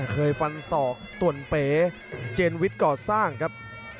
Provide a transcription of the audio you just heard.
เคยฟันศอกต่วนเป๋เจนวิทย์ก่อสร้างครับ